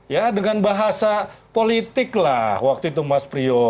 ya dengan bahasa politik lah waktu itu mas priyo